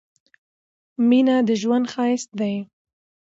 مينه د ژوند ښايست دي